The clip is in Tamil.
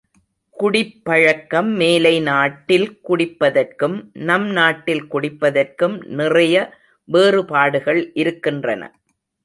குடிப் பழக்கம் மேலை நாட்டில் குடிப்பதற்கும் நம் நாட்டில் குடிப்பதற்கும் நிறைய வேறுபாடுகள் இருக்கின்றன.